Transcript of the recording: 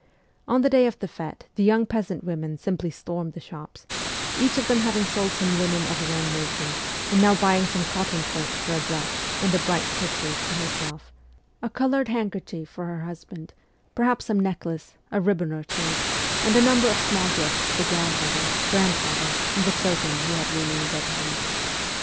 On the day of the fete the young peasant women simply stormed the shops, each of them having sold some linen of her own making and now buying some cotton print for a dress and a bright kerchief for herself, a coloured 122 MEMOIRS OF A REVOLUTIONIST handkerchief for her husband, perhaps some neck lace, a ribbon or two, and a number of small gifts to grand mother, grandfather, and the children who had remained at home.